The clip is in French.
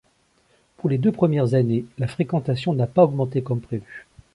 Pour les deux premières années, la fréquentation n'a pas augmenté comme prévu.